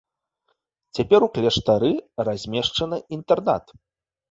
Цяпер у кляштары размешчаны інтэрнат.